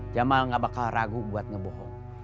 jamal gak bakal ragu buat ngebohong